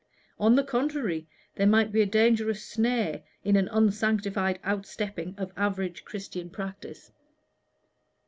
On the contrary, there might be a dangerous snare in an unsanctified outstepping of average Christian practice.